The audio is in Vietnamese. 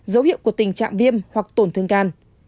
dấu hiệu của tình trạng viêm hoặc tổn thương can